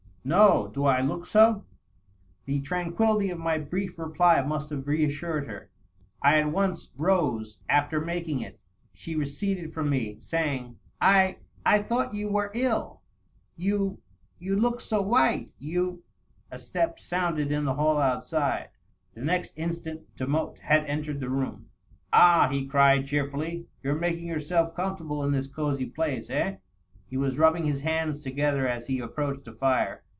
" No. Do I look so V The tranquillity of my brief reply must have reassured hei\ I at once rose after making it. She receded from me, saying, —" I — I thought you were ill. You — ^you looked so white. You .." A step sounded in the hall outside. The next instant Demotte had entered the room. "Ah," he cried cheerfully, "you're making yourself comfortable in this cosey place, eh ?" He was rubbing his hands together as he approached the fire.